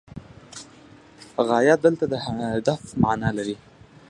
غایه دلته د هدف معنی لري.